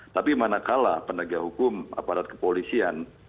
tapi mana kalah penegak hukum aparat kepolisian